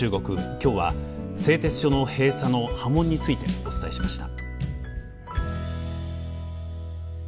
今日は製鉄所の閉鎖の波紋についてお伝えしました。